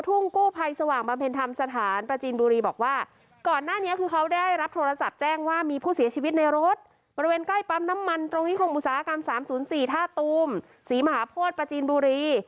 อุตสาหกรรม๓๐๔ท่าตูมศรีมหาโพธประจีนบุรี